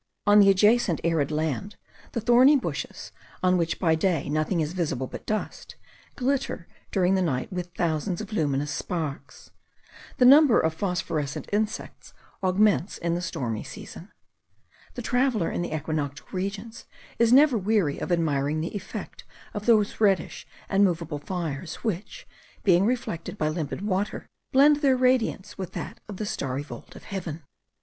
On the adjacent arid land, the thorny bushes, on which by day nothing is visible but dust, glitter during the night with thousands of luminous sparks. The number of phosphorescent insects augments in the stormy season. The traveller in the equinoctial regions is never weary of admiring the effect of those reddish and moveable fires, which, being reflected by limpid water, blend their radiance with that of the starry vault of heaven.